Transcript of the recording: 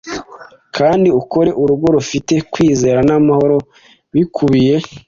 Kandi ukore urugo rufite kwizera n'amahoro bikubiye,